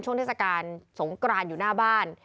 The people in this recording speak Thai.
เทศกาลสงกรานอยู่หน้าบ้าน